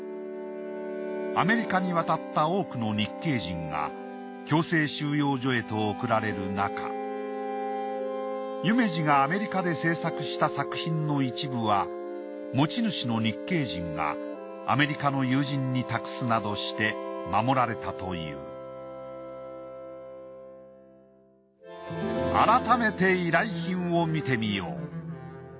アメリカに渡った多くの日系人が強制収容所へと送られるなか夢二がアメリカで制作した作品の一部は持ち主の日系人がアメリカの友人に託すなどして守られたという改めて依頼品を見てみよう。